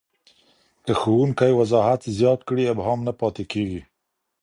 که ښوونکی وضاحت زیات کړي، ابهام نه پاته کېږي.